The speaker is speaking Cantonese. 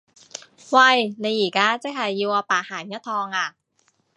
喂！你而家即係要我白行一趟呀？